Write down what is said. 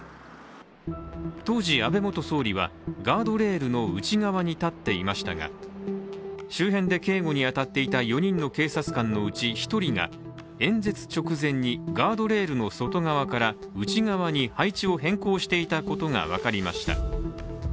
当時、安倍元総理はガードレールの内側に立っていましたが周辺で警護に当たっていた４人の警察官のうち１人が、演説直前にガードレールの外側から内側に配置を変更していたことが分かりました